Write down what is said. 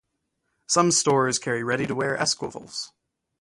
Some stores carry ready-to-wear Esquivels.